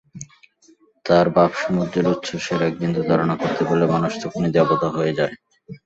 তাঁর ভাবসমুদ্রের উচ্ছ্বাসের একবিন্দু ধারণা করতে পারলে মানুষ তখনি দেবতা হয়ে যায়।